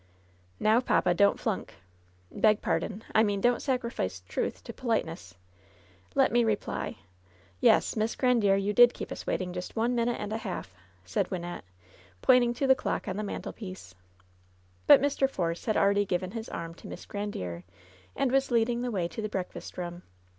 "Now, papa, don't flunk. Beg pardon. I mean, don't sacrifice truth to politeness. Let me reply. Yes, Miss Grandiere, you did keep us waiting just one minute and a half," said Wynnette, pointing to the clock on the mantelpiece. But Mr. Force had already given his arm to Miss Grandiere, and was leading the way to the breakfast room.